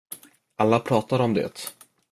Alla pratar om det.